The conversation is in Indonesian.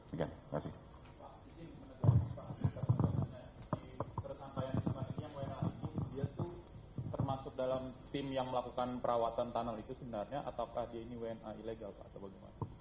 bagaimana pas itu termasuk dalam tim yang melakukan perawatan tanel itu sebenarnya ataukah ini wna ilegal pak